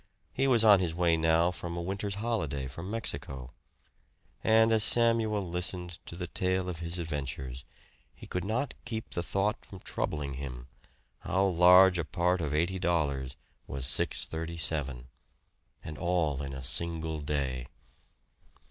He was on his way now from a winter's holiday in Mexico. And as Samuel listened to the tale of his adventures, he could not keep the thought from troubling him, how large a part of eighty dollars was six thirty seven. And all in a single day.